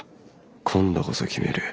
今度こそ決める！